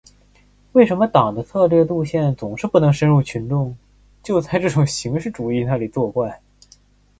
为什么党的策略路线总是不能深入群众，就是这种形式主义在那里作怪。